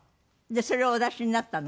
それをお出しになったの？